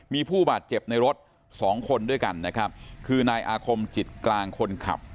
มีผู้บาดเจ็บในรถสองคนด้วยกันนะครับคือนายอาคมจิตกลางคนขับ